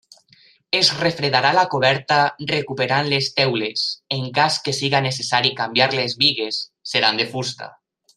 Es refarà la coberta recuperant les teules i, en cas que sigui necessari canviar les bigues, seran de fusta.